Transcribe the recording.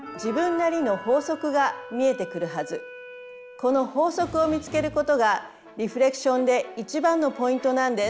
この法則を見つけることがリフレクションで一番のポイントなんです。